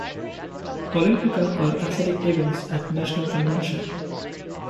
Olympika are athletic events at National Convention.